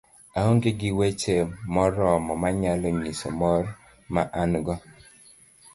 aong'e gi weche moromo manyalo nyiso mor ma an go